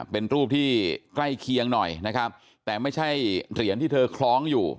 เป็นรูปที่ใกล้เคียงหน่อยนะครับแต่ไม่ใช่เหรียญที่เธอคล้องอยู่